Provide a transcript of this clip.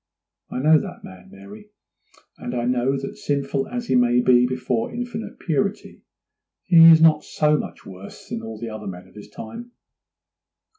I know that man, Mary, and I know that sinful as he may be before Infinite Purity, he is not so much worse than all the other men of his time.